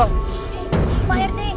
eh pak rt